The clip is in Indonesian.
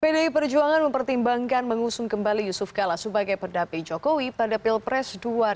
pdi perjuangan mempertimbangkan mengusung kembali yusuf kala sebagai pendapi jokowi pada pilpres dua ribu sembilan belas